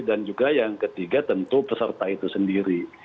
dan juga yang ketiga tentu peserta itu sendiri